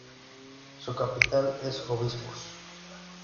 Su capital es Obispos.